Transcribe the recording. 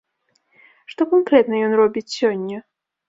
Што канкрэтна ён робіць сёння?